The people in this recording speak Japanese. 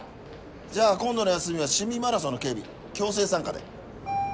じゃあ今度の休みは市民マラソンの警備強制参加で。